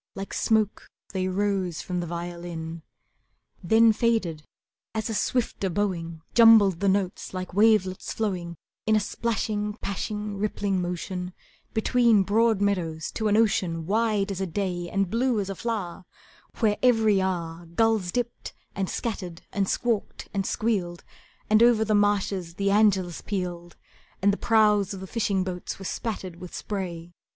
Like smoke they rose from the violin Then faded as a swifter bowing Jumbled the notes like wavelets flowing In a splashing, pashing, rippling motion Between broad meadows to an ocean Wide as a day and blue as a flower, Where every hour Gulls dipped, and scattered, and squawked, and squealed, And over the marshes the Angelus pealed, And the prows of the fishing boats were spattered With spray.